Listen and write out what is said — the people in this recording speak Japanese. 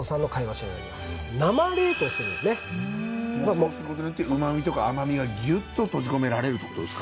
そうすることによって旨みとか甘味がギュッと閉じ込められるってことですか？